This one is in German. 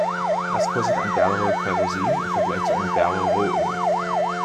Was kostet ein Barrel Kerosin im Vergleich zu einem Barrel Rohöl?